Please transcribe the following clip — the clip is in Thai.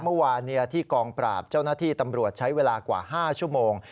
เมื่อวานที่กองปราบเจ้าหน้าที่ตำรวจใช้เวลากว่า๕ชั่วโมง